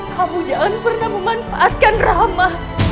kamu jangan pernah memanfaatkan ramah